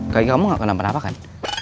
kayak kamu gak kenapa kenapa kan